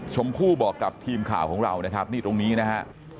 ชมพู่บอกกับทีมข่าวของเรานะครับนี่ตรงนี้นะฮะ